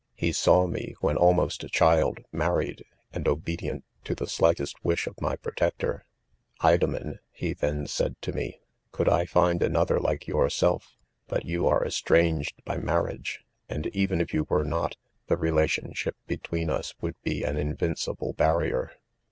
He saw me, when almost a cfaild ? married, and obedient to the slightest wish of my protector. £ Idoinen, 5 he then said to me 9 i could I find another like yourself, — hut yon are estranged fey marriage ; and even if yoni were hot, the relationship between us would, be an invincible barrier.